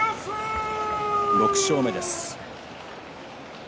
６勝目です。